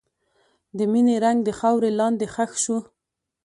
د مینې رنګ د خاورې لاندې ښخ شو.